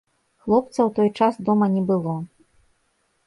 Хлопца ў той час дома не было.